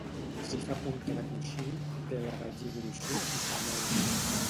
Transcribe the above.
S'hi fa punta de coixí, tela de lli gruixut i franel·la.